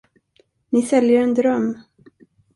Ni säljer en dröm.